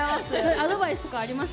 アドバイスとかあります？